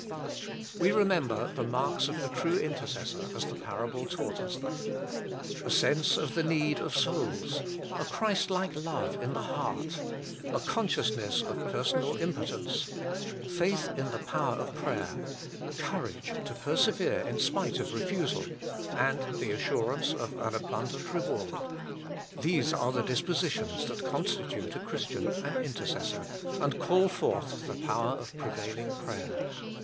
We remember the marks of the true intercessor as the parable taught us them. A sense of the need of souls ; a Christlike love in the heart ; a consciousness of personal impotence ; faith in the power of prayer ; courage to persevere in spite of refusal; and the assurance of an abundant reward ; these are the dispositions that constitute a Christian an intercessor, and call forth the power of prevailing prayer.